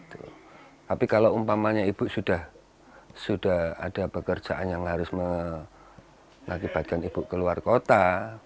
tapi kalau umpamanya ibu sudah ada pekerjaan yang harus mengakibatkan ibu keluar kota